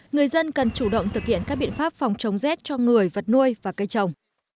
người dân cần chủ động thực hiện các biện pháp phòng chống rét cho người vật nuôi và cây trồng